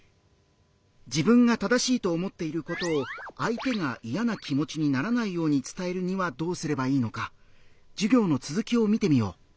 自分が正しいと思っていることを相手が嫌な気持ちにならないように伝えるにはどうすればいいのか授業の続きを見てみよう。